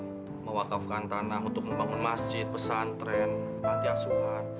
untuk mewakafkan tanah untuk membangun masjid pesantren panti asuhan